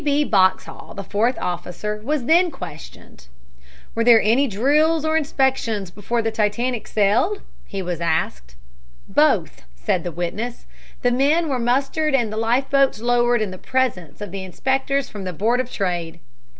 B. Boxhall, the fourth officer, was then questioned. "Were there any drills or any inspection before the Titanic sailed?" he was asked. "Both," said the witness. "The men were mustered and the life boats lowered in the presence of the inspectors from the Board of Trade."